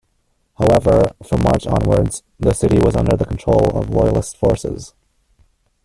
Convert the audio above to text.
However, from March onwards, the city was under the control of loyalist forces.